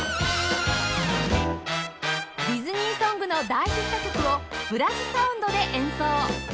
ディズニーソングの大ヒット曲をブラスサウンドで演奏